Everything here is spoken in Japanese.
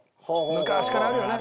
昔からあるよね。